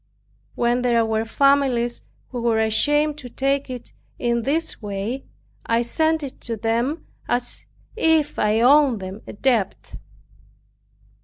When there were families who were ashamed to take it in this way, I sent it to them as if I owed them a debt.